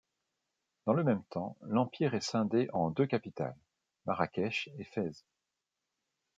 Dans le même temps l'empire est scindé entre deux capitales Marrakech et Fès.